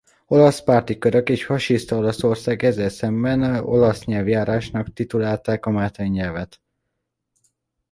Olasz-párti körök és a fasiszta Olaszország ezzel szemben olasz nyelvjárásnak titulálták a máltai nyelvet.